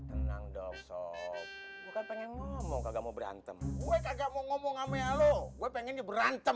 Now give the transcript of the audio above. enak dong sop pengen ngomong kagak mau berantem gue kagak mau ngomong ama lo gue pengen diberantem